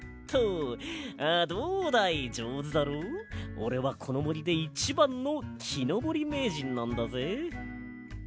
おれはこのもりでいちばんのきのぼりめいじんなんだぜ。